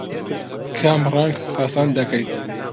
کام ڕەنگ پەسەند دەکەیت؟